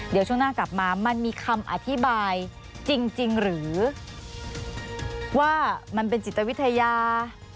เดี๋ยวช่วงหน้ากลับมามันมีคำอธิบายจริงหรือว่ามันเป็นจิตวิทยา